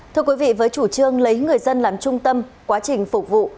thưa quý vị với chủ trương lấy người dân làm trung tâm quá trình phục vụ